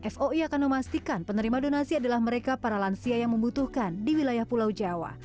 fi akan memastikan penerima donasi adalah mereka para lansia yang membutuhkan di wilayah pulau jawa